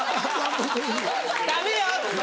「ダメよ！」。